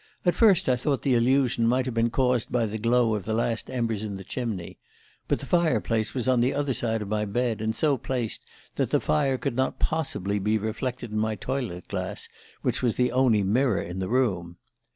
At first I thought the illusion might have been caused by the glow of the last embers in the chimney; but the fire place was on the other side of my bed, and so placed that the fire could not possibly be reflected in my toilet glass, which was the only mirror in the room.